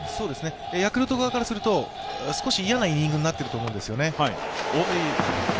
ヤクルト側からすると、少し嫌なイニングになっていると思うんですよね。